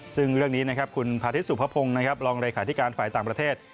ซึ่งเรื่องนี้นะครับคุณพาธิสุพพพงศ์รองรายข่าวธิการฝ่ายต่างประเทศ